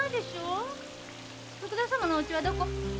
徳田様のお家はどこ？